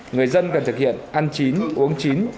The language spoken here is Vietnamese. người dân cần thực hiện ăn chín uống chín